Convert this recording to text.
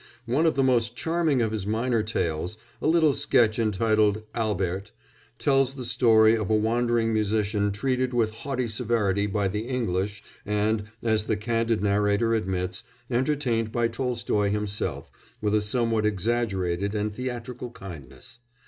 One of the most charming of his minor tales a little sketch entitled Albert tells the story of a wandering musician treated with haughty severity by the English and, as the candid narrator admits, entertained by Tolstoy himself, with a somewhat exaggerated and theatrical kindness.